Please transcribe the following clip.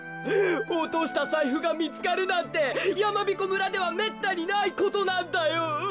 おとしたさいふがみつかるなんてやまびこ村ではめったにないことなんだよ。